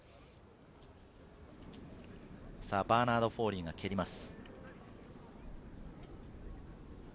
バーナード・フォーリーが蹴ります。